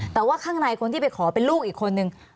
แต่ว่าข้างในคนที่ไปขอเป็นลูกอีกคนนึง